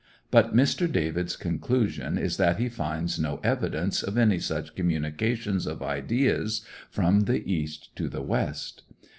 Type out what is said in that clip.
But Mr. Davids's conclusion is that he finds no evidence of any such communications of ideas from the East to the West.